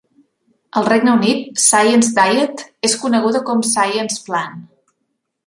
Al Regne Unit, Science Diet és coneguda com Science Plan.